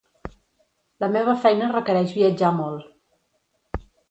La meva feina requereix viatjar molt.